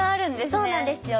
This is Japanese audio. そうなんですよ。